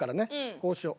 こうしよう。